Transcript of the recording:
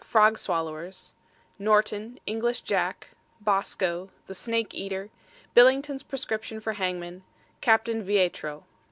FROG SWALLOWERS: NORTON; ENGLISH JACK; BOSCO, THE SNAKE EATER; BILLINGTON'S PRESCRIPTION FOR HANGMEN; CAPTAIN VEITRO.